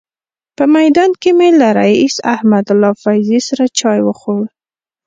په میدان کې مې له رئیس احمدالله فیضي سره چای وخوړل.